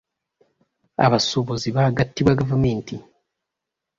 Abasuubuzi baagattibwa gavumenti.